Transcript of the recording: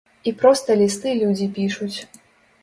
І проста лісты людзі пішуць.